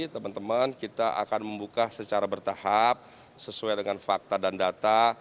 teman teman kita akan membuka secara bertahap sesuai dengan fakta dan data